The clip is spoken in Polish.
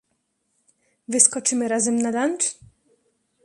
Wyskoczymy razem na lunch?